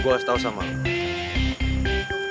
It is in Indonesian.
gua harus tau sama lu